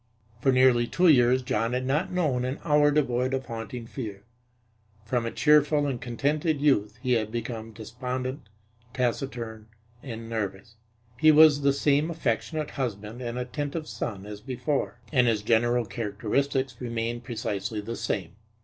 For nearly two years John had not known an hour devoid of haunting fear. From a cheerful and contented youth he had become despondent, taciturn and nervous. He was the same affectionate husband and attentive son as before, and his general characteristics remained precisely the same.